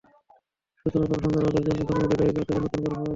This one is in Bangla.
সুতরাং, যাঁরা সন্ত্রাসবাদের জন্য ধর্মকে দায়ী করেন, তাঁদের নতুন করে ভাবা দরকার।